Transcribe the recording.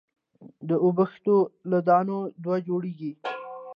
د اوبښتو له دانو دوا جوړېږي.